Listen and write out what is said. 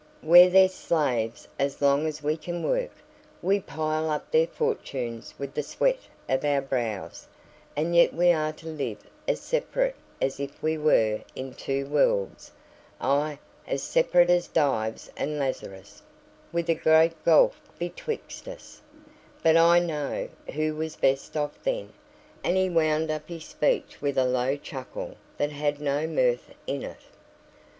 We're their slaves as long as we can work; we pile up their fortunes with the sweat of our brows; and yet we are to live as separate as if we were in two worlds; ay, as separate as Dives and Lazarus, with a great gulf betwixt us: but I know who was best off then," and he wound up his speech with a low chuckle that had no mirth in it.